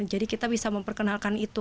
jadi kita bisa memperkenalkan itu